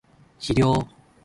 肥料